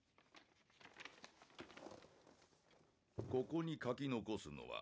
「ここに書き残すのは」